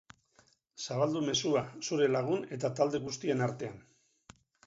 Zabaldu mezua zure lagun eta talde guztien artean.